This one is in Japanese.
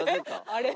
あれ？